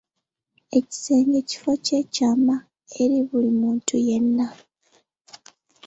Ekisenge kifo kya kyama eri buli muntu yenna.